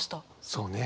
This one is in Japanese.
そうね。